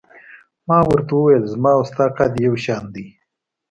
ما ورته وویل: زما او ستا قد یو شان دی.